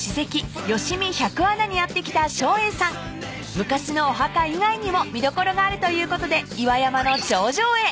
昔のお墓以外にも見どころがあるということで岩山の頂上へ］